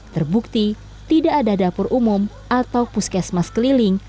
terbukti tidak ada dapur umum atau puskesmas keliling